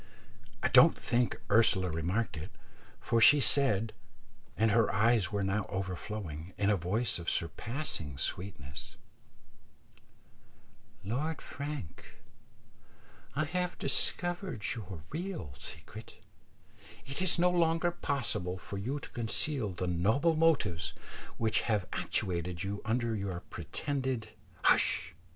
I don't think Ursula remarked it, for she said, and her eyes were now overflowing, in a voice of surpassing sweetness, "Lord Frank, I have discovered your real secret; it is no longer possible for you to conceal the noble motives which have actuated you under your pretended " "Hush!"